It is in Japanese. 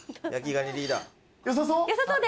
よさそう？